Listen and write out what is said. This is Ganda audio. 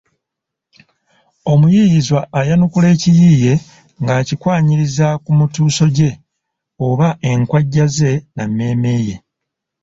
Omuyiiyizwa ayanukula ekiyiiye ng’akikwanyiriza ku mituuso gye oba enkwajja ze na mmeeme ye.